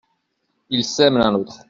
Ils s’aiment l’un l’autre.